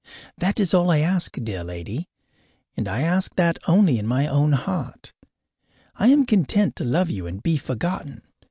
That is all I ask, dear lady, and I ask that only in my own heart. I am content to love you and be forgotten.